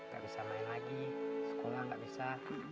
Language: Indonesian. gak bisa main lagi sekolah nggak bisa